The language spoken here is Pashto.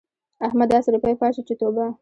احمد داسې روپۍ پاشي چې توبه!